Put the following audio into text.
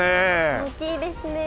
大きいですね。